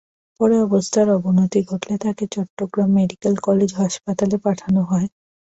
পরে অবস্থার অবনতি ঘটলে তাঁকে চট্টগ্রাম মেডিকেল কলেজ হাসপাতালে পাঠানো হয়।